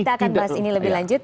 kita akan bahas ini lebih lanjut